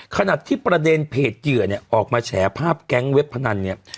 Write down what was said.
ขณะที่ประเด็นเพจเหยื่อเนี่ยออกมาแฉภาพแก๊งเว็บพนันเนี่ย